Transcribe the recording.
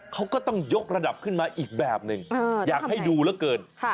เขาก็ต้องยกระดับขึ้นมาอีกแบบหนึ่งอยากให้ดูเหลือเกิน